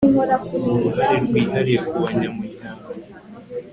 uruhare rwihariye kubanyamuryango